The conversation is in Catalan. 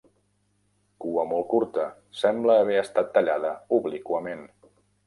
Cua molt curta, sembla haver estat tallada obliquament.